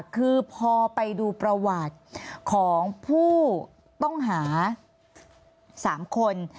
คือพอไปดูประวัติของผู้ต้องหา๓คน